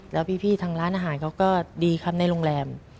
แล้วพี่ทางร้านอาหารเขาก็ดีครับในโรงแรม